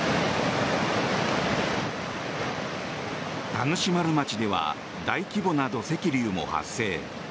田主丸町では大規模な土石流も発生。